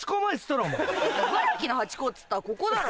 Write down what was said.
茨城のハチ公っつったらここだろ。